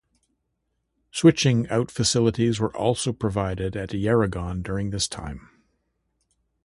Switching out facilities were also provided at Yarragon during this time.